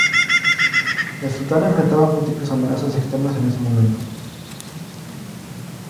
El Sultán enfrentaba múltiples amenazas externas en ese momento.